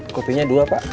kopinya dua pak